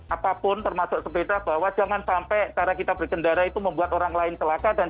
apapun termasuk sepeda bahwa jangan sampai cara kita berkendara itu membuat orang lain celaka dan